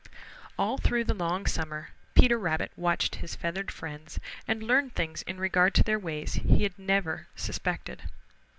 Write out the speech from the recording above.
All through the long summer Peter Rabbit watched his feathered friends and learned things in regard to their ways he never had suspected.